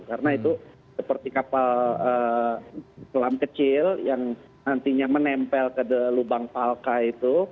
karena itu seperti kapal selam kecil yang nantinya menempel ke lubang palka itu